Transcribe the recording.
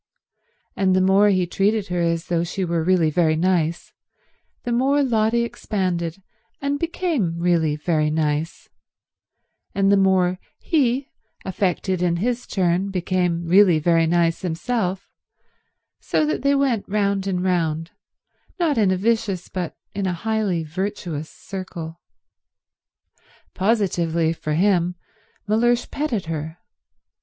And the more he treated her as though she were really very nice, the more Lotty expanded and became really very nice, and the more he, affected in his turn, became really very nice himself; so that they went round and round, not in a vicious but in a highly virtuous circle. Positively, for him, Mellersh petted her.